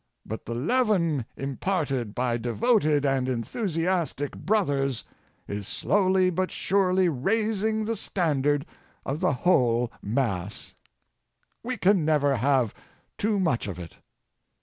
But the leaven imparted by devoted and enthusiastic brothers is slowly but surely raising the stand ard of the whole mass. We can never have too much of it.